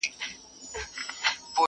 « صدقې لره یې غواړم د د لبرو؛